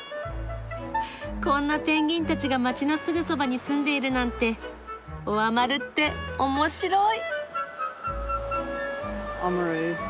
こんなペンギンたちが街のすぐそばに住んでいるなんてオアマルっておもしろい。